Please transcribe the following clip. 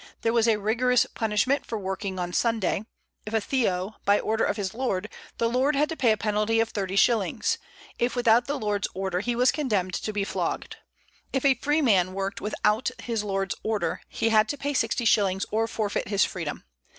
There was a rigorous punishment for working on Sunday: if a theow, by order of his lord, the lord had to pay a penalty of thirty shillings; if without the lord's order, he was condemned to be flogged. If a freeman worked without his lord's order, he had to pay sixty shillings or forfeit his freedom.